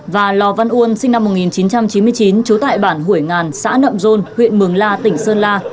và lò văn uôn sinh năm một nghìn chín trăm chín mươi chín trú tại bản hủy ngàn xã nậm rôn huyện mường la tỉnh sơn la